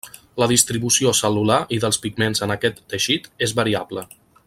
La distribució cel·lular i dels pigments en aquest teixit és variable.